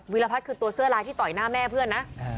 รพัฒน์คือตัวเสื้อลายที่ต่อยหน้าแม่เพื่อนนะ